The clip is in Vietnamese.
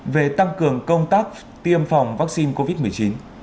về tăng cường công tác tiêm phòng vaccine covid một mươi chín